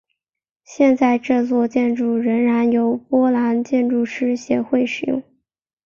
现在这座建筑仍然由波兰建筑师协会使用。